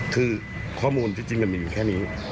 คือข้อมูลที่จริงมันมีอยู่แค่นี้